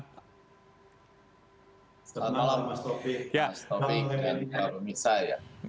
selamat malam mas taufik